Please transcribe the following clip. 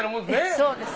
そうです。